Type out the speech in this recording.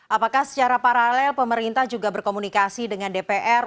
apakah secara paralel pemerintah juga berkomunikasi dengan dpr